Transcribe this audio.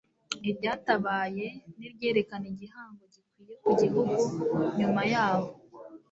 iryatabaye n'iryerekana igihango gikwiye ku gihugu nyuma yaho.